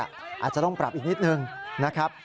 อาจจะต้องปรับอีกนิดนึงนะครับ